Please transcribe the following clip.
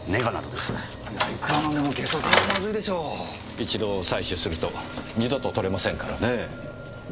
一度採取すると二度と採れませんからねぇ。